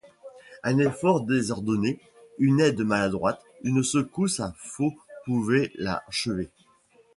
Un effort désordonné, une aide maladroite, une secousse à faux pouvaient l’achever.